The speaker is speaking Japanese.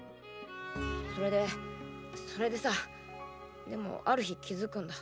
それでそれでさでもある日気付くんだ。